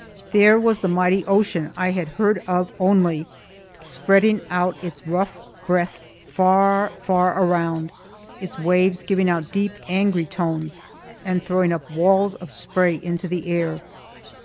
There was the mighty ocean I had heard of only, spreading out its rough breadth far, far around, its waves giving out deep, angry tones, and throwing up walls of spray into the air.